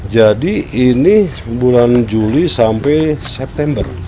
jadi ini bulan juli sampai september